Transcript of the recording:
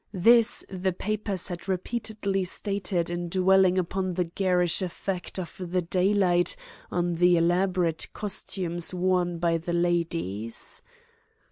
This the papers had repeatedly stated in dwelling upon the garish effect of the daylight on the elaborate costumes worn by the ladies.